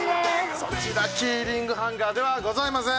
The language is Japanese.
そちらキーリングハンガーではございません。